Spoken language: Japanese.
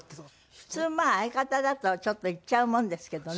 普通まあ相方だと言っちゃうもんですけどね。